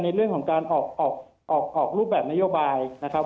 ในเรื่องของการออกออกรูปแบบนโยบายนะครับ